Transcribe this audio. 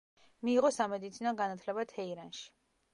მიიღო სამედიცინო განათლება თეირანში.